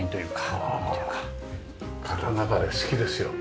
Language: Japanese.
片流れ好きですよ。